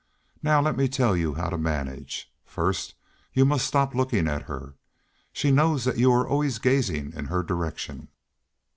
Now, let me tell you how to manage. First, you must stop looking at her. She knows that you are always gazing in her direction."